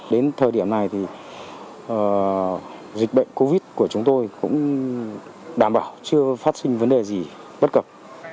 đến thời điểm này thì dịch bệnh covid của chúng tôi cũng đảm bảo chưa phát sinh vấn đề gì bất cập